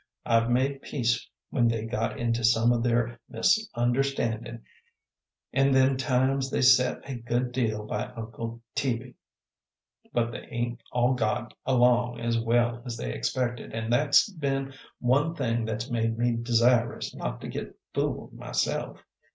I've made peace when they got into some o' their misunderstanding, an' them times they set a good deal by Uncle Teaby; but they ain't all got along as well as they expected, and that's be'n one thing that's made me desirous not to git fooled myself.